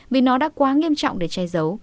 vì nó đã quá nghiêm trọng để che giấu